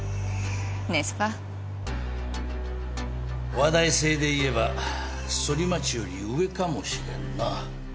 話題性でいえばソリマチより上かもしれんな。